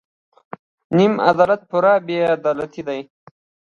نیم عدالت پوره بې عدالتي ده.